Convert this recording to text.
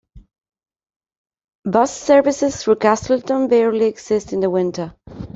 Bus services through Castleton barely exist in the winter.